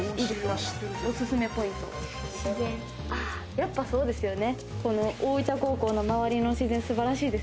やっぱそうですよね。